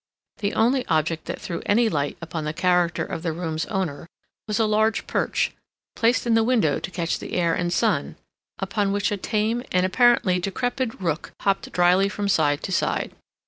The only object that threw any light upon the character of the room's owner was a large perch, placed in the window to catch the air and sun, upon which a tame and, apparently, decrepit rook hopped dryly from side to side.